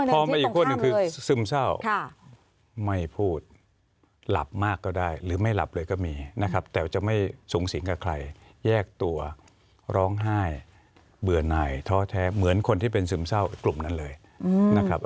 พอมาอีกคนหนึ่งคือซึมเศร้าไม่พูดหลับมากก็ได้หรือไม่หลับเลยก็มีนะครับแต่ว่าจะไม่สูงสิงกับใครแยกตัวร้องไห้เบื่อหน่ายท้อแท้เหมือนคนที่เป็นซึมเศร้ากลุ่มนั้นเลยนะครับ